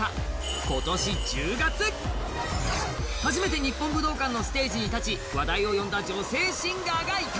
今年１０月、初めて日本武道館のステージに立ち話題を呼んだ女性シンガーがいた。